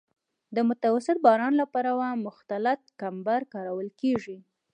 د متوسط باران لپاره مختلط کمبر کارول کیږي